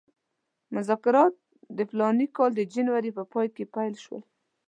مذاکرات د فلاني کال د جنورۍ په پای کې پیل شول.